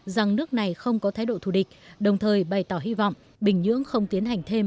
rằng nước này không có thái độ thù địch đồng thời bày tỏ hy vọng bình nhưỡng không tiến hành thêm